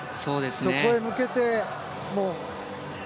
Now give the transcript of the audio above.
そこへ向けて。